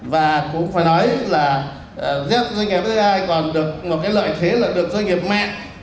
và cũng phải nói là doanh nghiệp fdi còn được một cái lợi thế là được doanh nghiệp mang